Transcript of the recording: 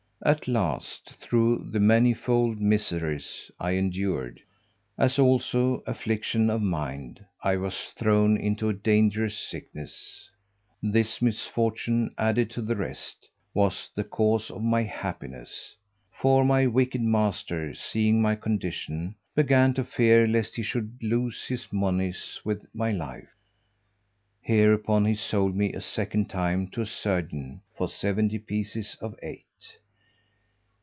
At last, through the manifold miseries I endured, as also affliction of mind, I was thrown into a dangerous sickness. This misfortune, added to the rest, was the cause of my happiness: for my wicked master, seeing my condition, began to fear lest he should lose his monies with my life. Hereupon he sold me a second time to a surgeon, for seventy pieces of eight.